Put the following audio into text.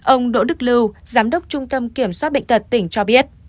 ông đỗ đức lưu giám đốc trung tâm kiểm soát bệnh tật tỉnh cho biết